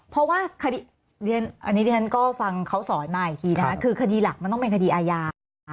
เพราะว่าคดีอันนี้ที่ฉันก็ฟังเขาสอนมาอีกทีนะคะคือคดีหลักมันต้องเป็นคดีอาญา